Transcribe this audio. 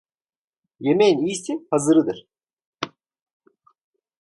Yemeğin iyisi hazırıdır.